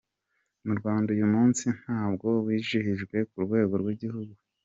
Mu Rwanda uyu munsi ntabwo wizihijwe ku rwego rw’igihugu.